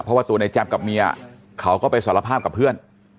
เพราะว่าตัวในแจ๊บกับเมียเขาก็ไปสารภาพกับเพื่อน